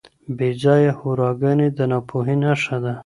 بې ځایه هوراګانې د ناپوهۍ نښه ده.